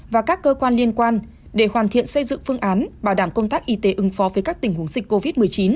và các cơ quan liên quan để hoàn thiện xây dựng phương án bảo đảm công tác y tế ứng phó với các tình huống dịch covid một mươi chín